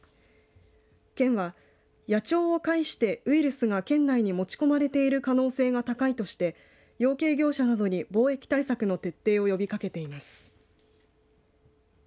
県は野鳥を介してウイルスが県内に持ち込まれている可能性が高いとして養鶏業者などに防疫対策の徹底を呼びかけています。